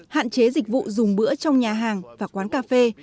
hạn chế dịch vụ dùng bữa trong nhà hàng và quán cà phê